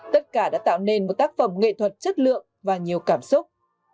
tất cả đã tạo nên một tác phẩm nghệ thuật chất lượng và nhiều cảm xúc